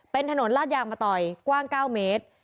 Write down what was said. เป็นถนนลาดยางมะตอยกว้าง๙เมตร